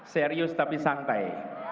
serius tapi santai